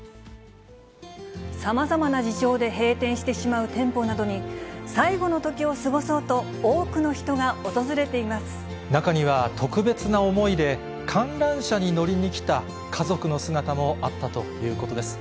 さまざまな事情で閉店してしまう店舗などに、最後のときを過ごそうと、中には、特別な思いで、観覧車に乗りに来た家族の姿もあったということです。